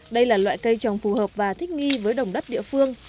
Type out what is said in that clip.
đây là loại cây trồng phù hợp và thích nghi với đồng đất địa phương